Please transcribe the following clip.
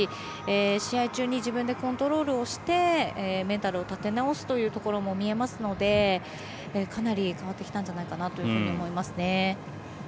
試合中に自分でコントロールをしてメンタルを立て直すというところも見えますのでかなり、変わってきたんじゃないかなと思いますね。